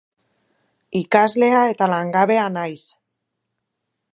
Ikaslea eta langabea naiz.